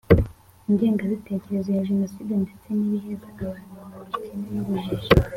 ingengabitekerezo ya jenoside ndetse n’ibiheza abantu mu bukene n’ubujiji